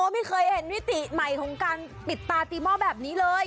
ไม่เคยเห็นมิติใหม่ของการปิดตาตีหม้อแบบนี้เลย